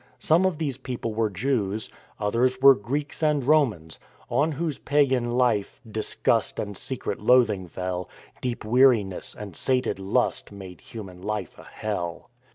Some of these people were Jews. Others were Greeks and Romans, on whose pagan life "... disgust And secret loathing fell; Deep weariness and sated lust Made human life a hell."